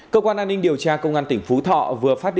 cơ quan an ninh điều tra công an tỉnh phú thọ vừa phát hiện